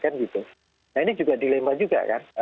nah ini dilema juga kan